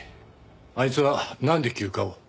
あいつはなんで休暇を？